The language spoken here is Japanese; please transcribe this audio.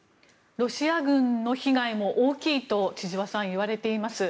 ロシア軍の被害も大きいと千々和さん、いわれています。